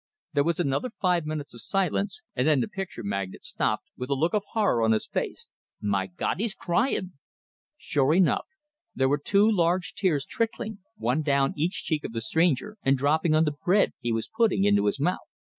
There was another five minutes of silence; and then the picture magnate stopped, with a look of horror on his face. "My Gawd! He's cryin'!" Sure enough, there were two large tears trickling, one down each cheek of the stranger, and dropping on the bread he was putting into his mouth!